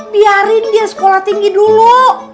biarin dia sekolah tinggi dulu